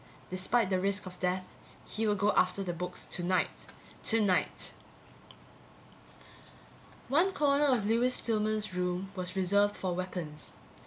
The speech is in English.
Despite the risk of death, he would go after the books tonight. Tonight. One corner of Lewis Stillman's room was reserved for weapons.